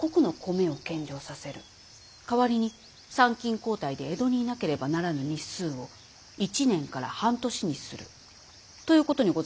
代わりに参勤交代で江戸にいなければならぬ日数を１年から半年にするということにございますか。